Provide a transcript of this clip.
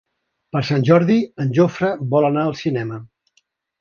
Per Sant Jordi en Jofre vol anar al cinema.